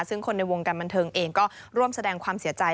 ซึ่งคนในวงการบันเทิงเองก็ร่วมแสดงความเสียใจ